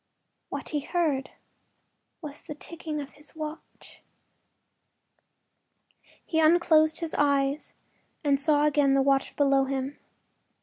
What he heard was the ticking of his watch. He unclosed his eyes and saw again the water below him.